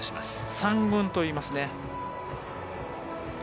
３群といいますね。